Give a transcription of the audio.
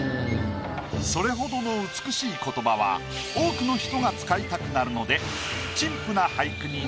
それほどの美しい言葉は多くの人が使いたくなるので。